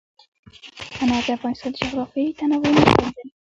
انار د افغانستان د جغرافیوي تنوع مثال دی.